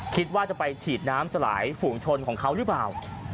คิดว่าจะไปฉีดน้ำสลายฝูงชนของเขาหรือเปล่า